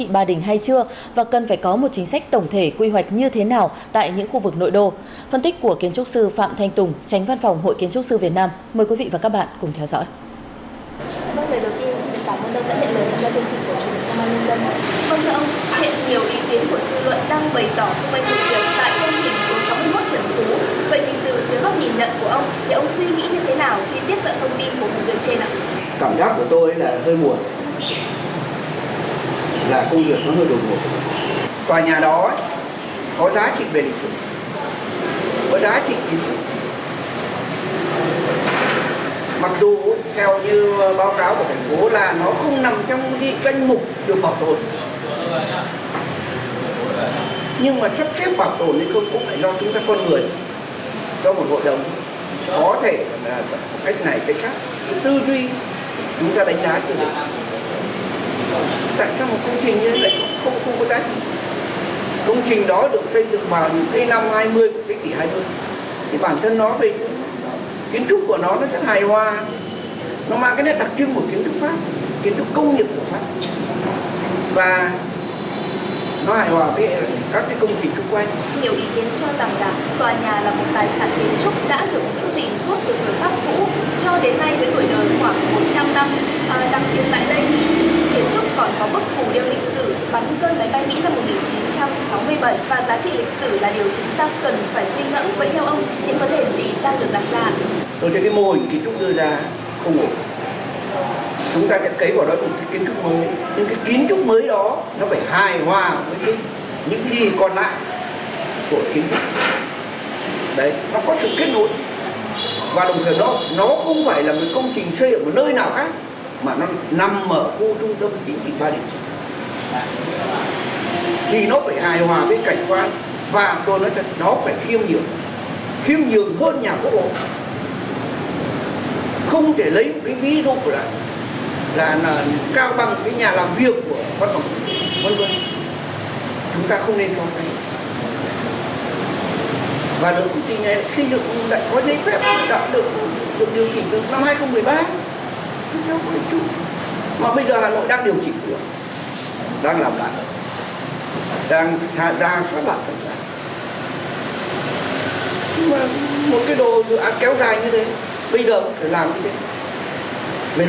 bộ y tế vừa có văn bản gửi ủy ban nhân dân các tỉnh thành phố các cơ sở tiêm chủng trực thuộc bộ y tế y tế bộ ngành về việc chuẩn bị tiêm vaccine phòng covid một mươi chín cho trẻ từ năm đến dưới một mươi hai tuổi